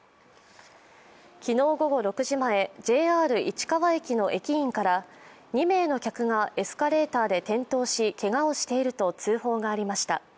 昨日午後６時前、ＪＲ市川駅の駅員から２名の客がエスカレーターで転倒し、けがをしていると通報がありました。